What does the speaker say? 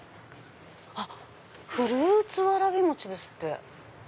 あっ「フルーツわらびもち」ですって。